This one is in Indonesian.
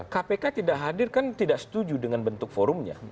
kpk tidak hadir kan tidak setuju dengan bentuk forumnya